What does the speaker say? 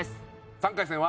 ３回戦は。